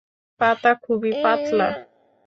পাতা খুবই পাতলা।